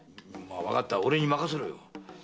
わかった俺に任せろ。